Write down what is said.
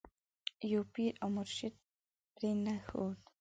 یو پیر او مرشد پرې نه ښود.